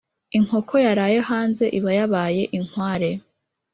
Inkoko yaraye hanze iba yabaye inkware.